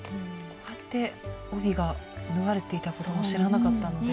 こうやって帯が縫われていたことも知らなかったので。